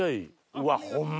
うわホンマ！